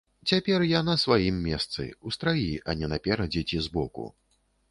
Цяпер я на сваім месцы, у страі, а не наперадзе ці збоку.